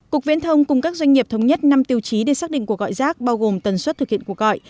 cục viễn thông cùng các doanh nghiệp thống nhất năm tiêu chí để xác định cuộc gọi rác bao gồm tần suất thực hiện cuộc gọi